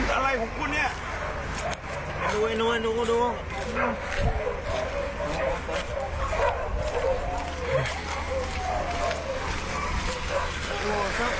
อะไรของคุณเนี้ยดูไอ้น้วยดู